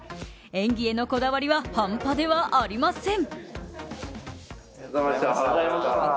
演技へのこだわりは半端ではありません。